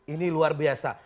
ini luar biasa